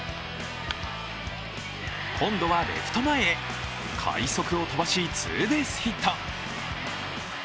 今度はレフト前へ、快足を飛ばし、ツーベースヒット。